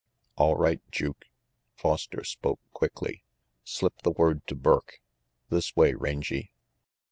"All right, Juke," Foster spoke quickly, "slip the word to Burke. This way, Rangy."